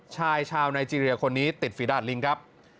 ชายชาวไนเจรียคนนี้ติดฝีดาดลิงครับ